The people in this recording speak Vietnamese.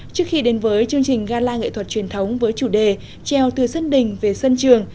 trước khi đến với chương trình gala nghệ thuật truyền thống với chủ đề treo từ sân đình về sân trường